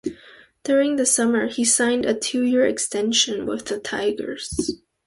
During the summer, he signed a two-year extension with the Tigers.